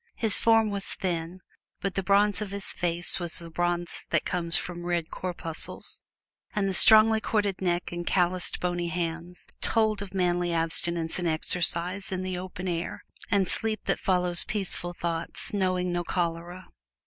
His form was thin, but the bronze of his face was the bronze that comes from red corpuscles, and the strongly corded neck and calloused, bony hands told of manly abstinence and exercise in the open air, and sleep that follows peaceful thoughts, knowing no chloral.